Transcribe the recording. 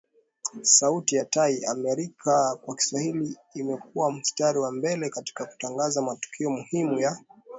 Sauti tya Amerika kwa Kiswahili imekua mstari wa mbele katika kutangaza matukio muhimu ya